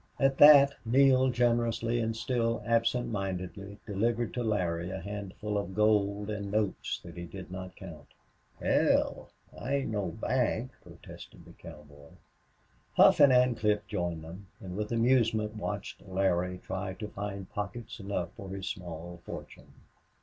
At that Neale generously and still absent mindedly delivered to Larry a handful of gold and notes that he did not count. "Hell! I ain't no bank," protested the cowboy. Hough and Ancliffe joined them and with amusement watched Larry try to find pockets enough for his small fortune.